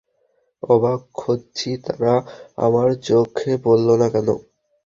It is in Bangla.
অবাক হচ্ছি, তারা আমার চোখে পড়ল না কেন।